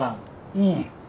うん。